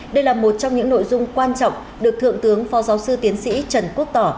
đây là một trong những nội dung quan trọng được thượng tướng phó giáo sư tiến sĩ trần quốc tỏ